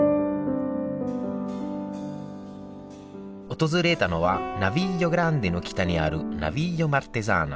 訪れたのはナヴィリオ・グランデの北にあるナヴィリオ・マルテザーナ。